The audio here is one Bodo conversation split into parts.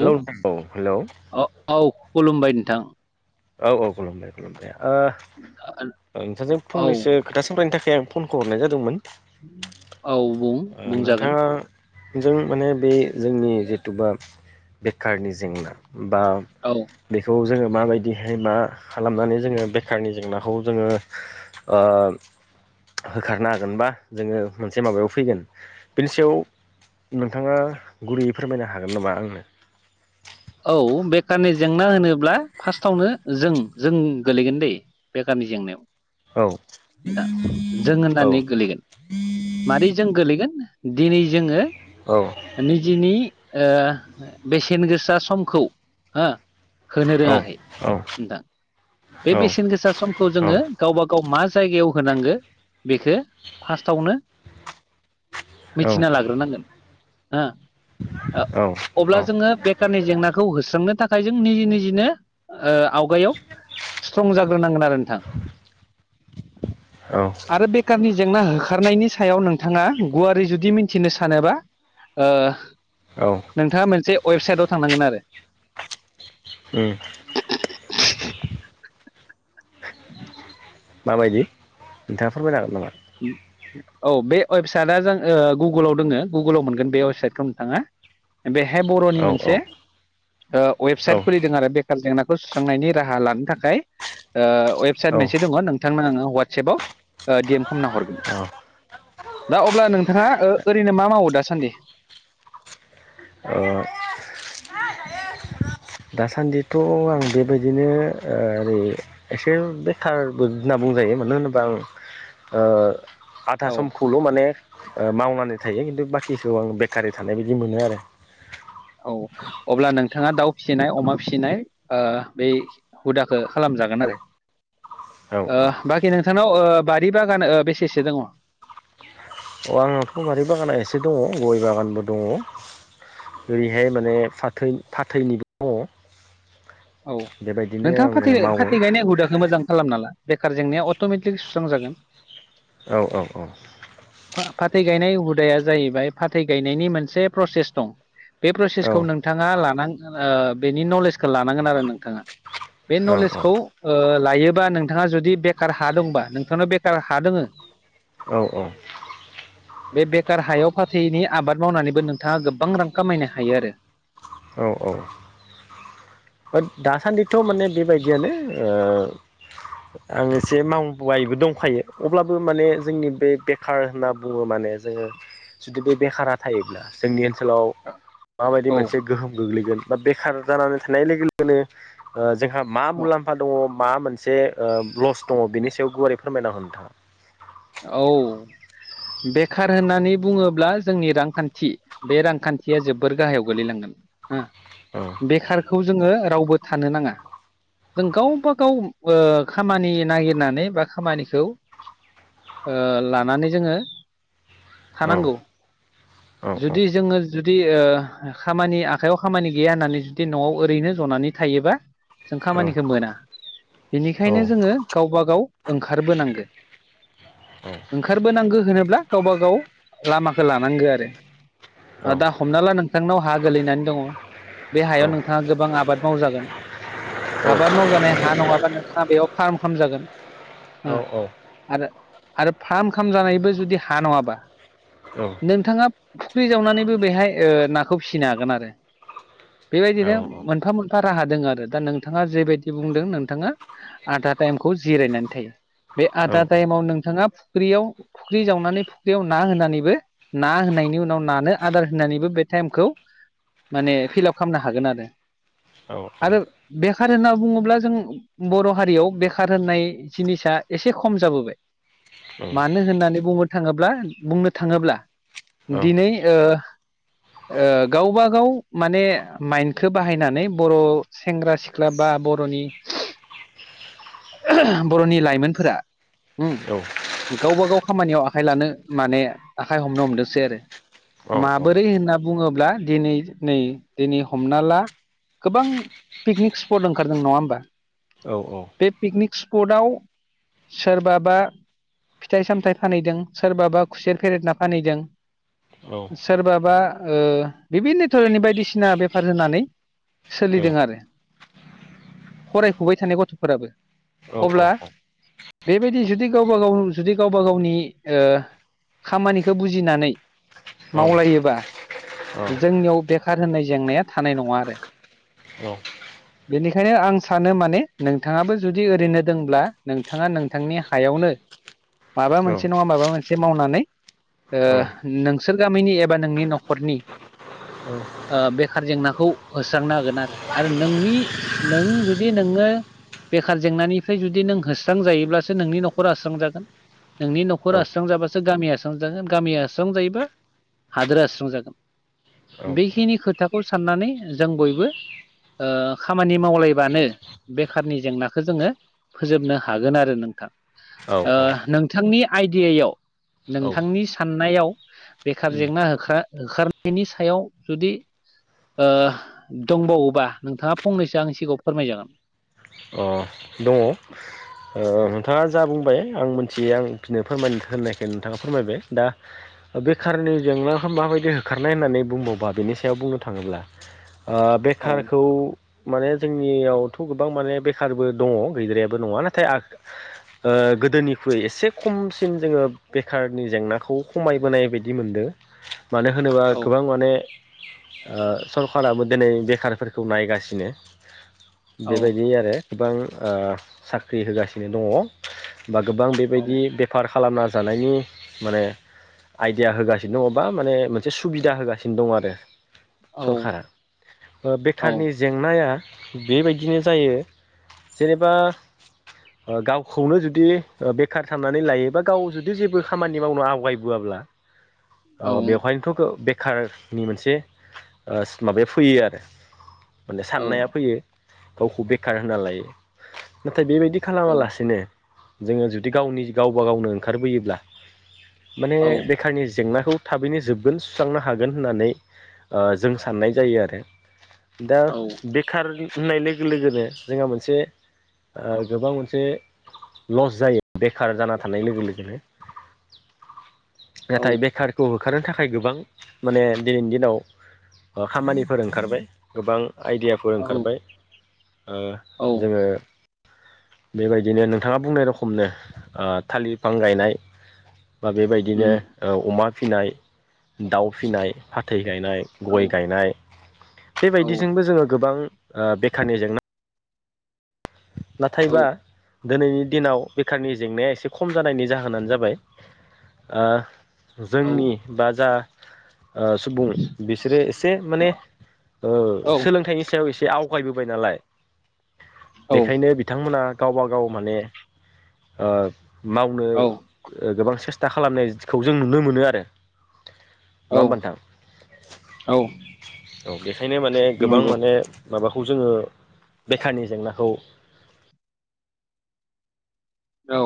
हेलौ नोंथां औ हेलौ औ औ खुलुमबाय नोंथां औ औ खुलुमबाय खुलुमबाय नोंथांजों औ फंनैसो खोथा सोंरायनो थाखाय सि आं फनखौ हरनाय जादोंमोन औ बुं ओ बुंजागोन नोंथाङा जों माने बे जोंनि जिथुबा बेखारनि जेंना बा औ बेखौ जोङो माबायदि बेहाय मा खालामनानै जोङो बेखारनि जेंनाखौ जोङो होखारनो हागोन बा जोङो मोनसे माबायाव फैगोन बेनि सायाव नोंथाङा गुरैयै फोरमायनो हागोन नामा आंनो औ बेखारनि जेंना होनोब्ला फार्स्टआवनो जों जों गोलैगोन दै बेखारनि औ [unintelligible] जों होनानै गोलैगोन मारै जों गोलैगोन दिनै जोङो औ निजिनि बेसेन गोसा समखौ हो होनो औ रोङाखै नोंथां बे औ बेसेन गोसा समखौ औ जोंङो गावबा गाव मा जायगायाव होनांगोन बेखौ फार्टआवनो औ मिथिना लाग्रोनांगोन हो औ अब्ला जोंङो बेखारनि जेंनाखौ होस्रांनो थाखाय जों निजि निजिनो ओ आवगायाव स्ट्रं जाग्रोनांगोन आरो नोंथां औ आरो बेखारनि जेंना होखारनायनि सायाव नोंथाङा गुवारै जुदि मिथिनो सानोबा ओ औ नोंथाङा मोनसे वेबसाइटआव थांनांगोन आरो उम [inaudible] माबायदि नोंथाङा फोरमायनो हागोन नामा? उम औ बे वेबसाइटआ जों ओ गुगोलाव दोङ गुगोलाव मोनगोन बे वेबसाइटखौ नोंथाङा बेहाय बर'नि औ औ मोनसे औ वेबसाइट खुलिदों आरो बेखार जेंनाखौ खौ सुस्रांनायनि राहा लानो थाखाय वेबसाइट औ मोनसे दङ नोंथांमोनो आ [unintelligible] डएम खामना हर औ दा अब्ला नोंथाङा ओरैनो मा मावो दासान्दि? [unintelligible] दासान्दिथ' आं बेबायदिनो ओरै एसे बेखारबो होनना बुं बुंजायो मानो होनोबा आं आधा औ समखौल' माने मावनानै थायो खिन्थु बाखिखौ आं बेकारि थानाय बायदि मोनो आरो औ अब्ला नोंथाङा दाउ फिसिनाय अमा फिसिनाय बै हुदाखौ खालाम। जागोन आरो औ ओ बाखि नोंथांनाव बारि बागान बेसेसो दङ? अ आंहा बारि बागाना एसे दङ गय बागानबो दङ ओरैहाय माने फाथै फाथैनिबो दङ औ बेबायदिनो नोंथाङा आङो फाथै मावो फाथै गायनाय हुदाखौ मोजां खालाम ना बेखार जेंनाया अट'मेटिकलि सुस्रांजागोन औ औ औ फाथै गायनाय हुदाया जाहैबाय फाथै गायनायनि मोनसे प्रसेस दं बे औ प्रसेसखौ नोंथाङा लानांग बेनि नलेजखौ लानांगोन आरो नोंथाङा बे औ नलेजखौ ओ लायोबा नोंथाङा जुदि बेखार हा दंबा नोंथांनाव बेखार हा दोङो औ औ बे बेखार हायाव फाथैनि आबाद मावनानैबो नोंथाङा गोबां रां खामायनो हायो आरो। औ औ दासान्दिथ' माने बेबायदियानो आं एसे मावबायबो दंखायो अब्लाबो माने जोंनि बे बेखार होनना बुङो माने जोंङो जुदि बे बेखारा थायोब्ला जोंनि ओनसोलाव माबायदि औ मोनसे गोहोम गोग्लैगोन बा बेखार जानानै थानाय लोगो लोगोनो ओ जोंहा मा मुलाम्फा दङ माबा मोनसे लस दङ बेनि सायाव गुवारै फोरमायना हो नोंथाङा औ बेखार होननानै बुङोब्ला जोंनि रांखान्थि बे रांखान्थिया जोबोर गाहायाव गोलैलांगोन ओम औ बेखारखौ जोङो रावबो थानो नाङा। जों गावबा गाव ओ खामानि नागिरनानै बा खामानिखौ ओ लानानै जोंङो औ थानांगौ औ जुदि जोंङो जुदि ओ खामानि आखाइयाव खामानि गैया होननानै जुदि न'आव ओरैनो जनानै थायोबा जों औ खामानिखौ मोना बेनिखायनो जोऔङो गावबा गाव ओंखारबोनांगो। ओंखारबोनांगौ होनोब्ला गावबा गाव लामाखौ लानांगो आरो दा हमना ला नोंथांनाव हा गोलैनानै दङ। बे हायाव औ नोंथाङा गोबां आबाद मावजागोन। आबाद मावजानाय हा नङाबा नोंथाङा बेयाव फार्म खामजागोन औ ओ आरो आरो फार्म खामजानायबो जुदि हा नङाबा औ नोंथाङा। फुख्रि जावनानैबो बेहाय नाखौ फिसिनो हागोन आरो बेबायदिनो मोनफा मोनफ राहा दों आरो दा नोंथाङा जेबायदि बुंदों नोंथाङा आधा टाइमखौ जिरायनानै थायो। बे आदा टाइमाव नों ङा फुख्रियाव फुख्रि जावनानै फुख्रियाव ना होनानैबो ना होनायनि उनाव नानो आदार होनानै बो बे टाइमखौ माने फिलाप खालामनो हागोन आरो आरो बे बेखार होनना बुङोब्ला जों बर' हारियाव बेखार होननाय जिनिसा एसे खम जाबोबाय। मानो होननानै बुंनो थाङोब्ला बुंनो थाङोब्ला दिनै ओ ओ गावबा गाव माने माइन्डखौ बाहायनानै बर' सेंग्रा सिख्ला बा बा बर'नि बर'नि लाइमोनफोरा ओम गावबागाव खामानियाव आखाइ लानो माने आखाइ हमनो हमदोंसै आरो औ औ औ माबोरै होनना बुङोब्ला दिनै नै दिनै हमना ला। गोबां पिकनिक स्पट ओंखारदों नङा होमबा। औ औ बे पिकनिक स्पटाव सोरबाबा फिथाइ सामथाइ फानहैदों सोरबाबा खुसेर फेरेदना फानहैदों। सोरबाबा ओ बिभिन्न धरनि बायदिसिना बेफार होनानै सोलिदों आरो फरायफुबाय थानाय गथ'फोराबो औ अब्ला बेबायदि जुदि गावबा गाव जुदि गावबा गावनि ओ खामानिखौ बुजिनानै मावलायोबा जोंनियाव बेखार होननाय जेंनाया थानाय नङा आरो बेनिखायनो आं सानो माने नोंथाङाबो जुदि ओरैनो दंब्ला नों नोंथाङा नोंथांनि हायावनो माबा मोनसे नङा माबा मोनसे मावनानै ओ नोंसोर गामिनि एबा नोंनि न'खरनि औ आ बेखार जेंनाखौ होस्रांनो हागोन आरो आरो नोंनि नों जुदि नोङो बेखार जेंनानिफ्राय जुदि नों होस्रांजायोब्लासो नोंनि न'खरा होस्रांजागोन। नोंनि न'खरा होस्रांजाबासो गामिया होस्रांजागोन गामिया होस्रांजायोबा हादोर आ होस्रां जागोन बेखिनि खोथाखौ साननानै जों बयबो ओ खामानि मावलायबानो बेखारनि जेंनाखौ जोङो फोजोबनो हा हागोन आरो नोंथां। ओ औ अ नोंथांनि आइडियायाव नोंथांनि साननायाव बेखार जेंना हो होखारनायनि सायाव जुदि ओ दंबावोबा नोंथाङा फंनैसो आंनि सिगाङाव फोरमायजागोन। दङ। नोंथाङा जा बुंबाय आं मिथियै आं फिनो फोरमाय होननायखाय नोंथाङा फोरमायबाय दा बे खारनि जेंनाखौ माबायदि होखारनाय होननानै बुंबावोबा बेनि सायाव बुंनो थाङोब्ला ओ औ बेखारखौ माने जोंनियावथ' गोबां माने बेखारबो दङ गैद्रायाबो नङा नाथाय [inaudible] ओ गोदोनिख्रुइ एसे खमसिन जोङो बेखारनि जेंनाखौ खमायबोनाय बायदि मोनदों। [inaudible] मानो होनोबा औ गोबां माने ओ सरखाराबो दिनै बेखारफोरखौ नायगासिनो। औ बेबायदि आरो गोबां ओ साख्रि होगासिनो दङ। बा गोबां औ बेबायदि बेफार खालामना जानायनि माने आइदिया होगासिनो दङ बा माने मोनसे सुबिदा होगासिनो दं आरो औ सरखारा औ बेखारनि जेंनाया बेबायदिनो जायो जेनेबा गावखौनो जुदि बेखार साननानै लायो बा गाव जुदि जेबो खामानि मावनो आवगायबोआब्ला ओ औ बेवहायनोथ' बे खारनि मोनसे ओ माबाया फैयो आरो माने औ साननाया फैयो। गावखौ बेखार होनना लायो। नाथाय बेबायदि खालामालासिनो जोङो जुदि गावनि गावबा गावनो ओंखारबोयोब्ला माने औ बेखारनि जेंना खौ थाबैनो जोबगोन सुस्रांनो हागोन होननानै ओ जों साननाय जायो आरो दा बेखार होननाय लोगो लोगोनो जोंहा मोनसे ओ गोबां मोनसे लस जायो बेखार जाना थानाय लोगो लोगोनो [inaudible] औ नाथाय बेखारखौ होखारनो थाखाय गोबां माने दिनैनि दिनाव खामानिफोर ओंखारबाय गोबां आइदियाफोर औ ओंखारबाय ओ औ जोङो बेबायदिनो नोंथाङा बुंनाय रखमनो थालिर बिफां गायनाय बा बेबायदिनो उम ओ अमा फिनाय, दाउ फिनाय, फाथै गायनाय, औ गय गायनाय। औ बेबायदिजोंबो जोङो गोबां ओ बेखारनि जेंना औ नाथायबा दिनैनि दिनाव बेखारनि जेंनाया एसे खम जानायनि जाहोनानो जाबाय ओ औ जोंनि बा जा ओ सुबुं बिसोरो एसे माने ओ सोलोंथाइनि सायाव एसे आवगायबोबाय नालाय बेखायनो बिथांमोना गावबा गाव माने ओ मावनो औ गोबां सेस्था खालामनायखौ जों नुनो मोनो आरो नङा होमबा नोंथां? औ औ बेखायनो माने गोबां नंगौ माने माबाखौ जोङो बेखारनि जेंनाखौ औ।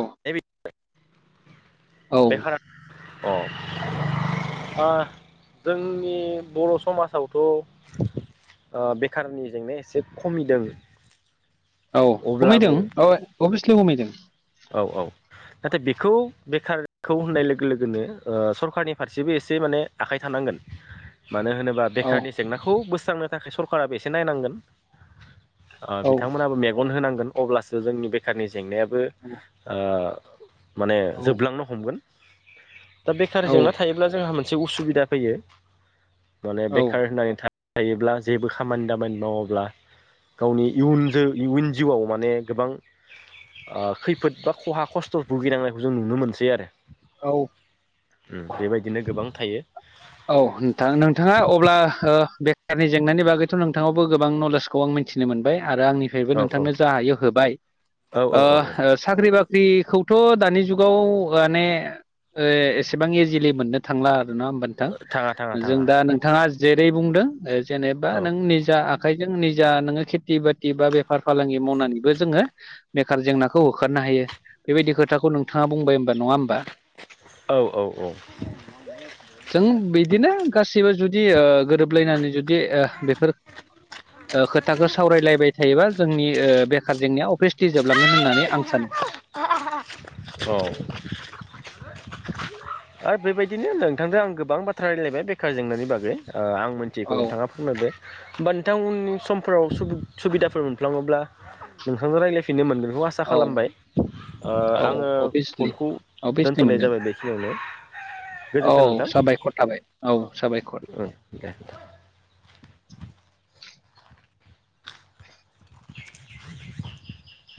औ बेखार अ' ओ जोंनि बर' समाजाव थ' ओ बेखारनि जेंनाया एसे खमिदों औ अब्लाबो खमायदों औ अभियासलि खमायदों। औ औ। नाथाय बेखौ बेखारखौ होननाय लोगो लोगोनो ओ सरखारनि फारसेबो एसे माने आखाय थानां गोन। मानो होनोबा औ बेखारनि जेंनाखौ बोस्रांनो थाखाय सरखाराबो एसे नायनांगोन। ओ औ बिथांमोनाबो मेगन होनांगोन अब्लासो जोंनि बेखारनि जेंनायाबो ओ माने जोबलांनो हमगोन। दा बेखार औ जेंना थायोब्ला जोंहा मोनसे उसुबिदा फैयो माने बेखार होननाय था थायोब्ला जेबो खामानि दामानि मावाब्ला गावनि इयुन जो इयुन जिउआव माने गोबां ओ खैफोद बा खहा खस्थ' भुगिनांनायखौ जों नुनो मोनसै आरो औ। बेबायदिनो गोबां थायो। औ नोंथां नोंथाङा अब्ला ओ बेखारनि जेंनानि बागैथ' नोंथाङावबो गोबां नलेजखौ आं मिथिनो मोनबाय आरो आंनिफ्रायबो औ औ नोंथांनो जा हायो होबाय औ औ ओ औ औ साख्रि बाख ख्रिखौथ' दानि जुगाव माने एसेबां इजिलि मोननो थांला आरोना होमबा नोंथां थाङा थाङा जों थाङा दा नोंथाङा जेरै बुंदों जेनेबा औ नों निजा आखाइ जों निजा नोङो खेथि बाथि बा बेफार फालांगि मावनानैबो जोङो बेखार जेंनाखौ होखारनो हायो। बेबायदि खोथाखौ नोंथाङा बुंबाय नङा होमबा औ औ औ जों बिदिनो गासिबो जुदि ओ गोरोबलायनानै जुदि जे ओ बेफोर खोथाखौ सावरायलायबाय थायोबा जोंनि बेखार जेंनाया अभियासलि जोबलांगोन होननानै आं सानो [unintelligible] आरो बेबायदिनो नोंथांदो आं गोबां बाथ्रा रायलायबाय बेखार जेंनानि बागै आं मोनथियैखौ औ नोंथाङा फोरमायबाय होमबा नोंथां उननि समफोराव सुबिदाफोर मोनफ्लाङोब्ला नोंथांजों रायज्लायफिननो मोनगोन बेखौ आसा औ खालामबाय औ आङो अभियासलि फनखौ अभियासलि दोनथ'नाय मोनगोन जाबाय बेखिनियावनो औ गोजोन्थों नोंथां साबायखर थाबाय औ साबायखर ओं दे [inaudible] [inaudible]